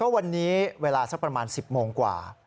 วันนี้เวลาสักประมาณ๑๐โมงกว่า